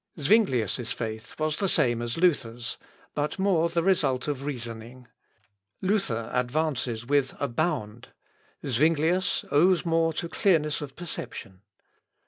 ] Zuinglius' faith was the same as Luther's, but more the result of reasoning. Luther advances with a bound. Zuinglius owes more to clearness of perception.